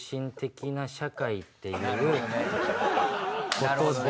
なるほどね。